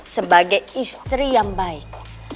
sebagai istri yang baik